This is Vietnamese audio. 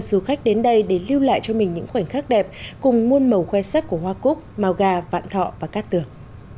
du khách đến đây để lưu lại cho mình những khoảnh khắc đẹp cùng muôn màu khoe sắc của hoa cốt màu gà vạn thọ và các tường